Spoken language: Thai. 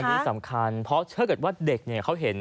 อันนี้สำคัญเพราะถ้าเกิดว่าเด็กเขาเห็น